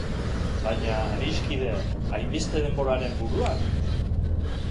Baina, adiskide, hainbeste denboraren buruan?